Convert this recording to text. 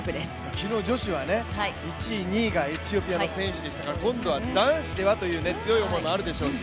昨日女子は１位、２位がエチオピアの選手でしたから今度は男子でもという強い思いがあるでしょうし。